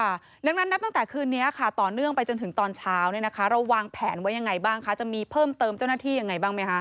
ดังนั้นนับตั้งแต่คืนนี้ค่ะต่อเนื่องไปจนถึงตอนเช้าเนี่ยนะคะเราวางแผนไว้ยังไงบ้างคะจะมีเพิ่มเติมเจ้าหน้าที่ยังไงบ้างไหมคะ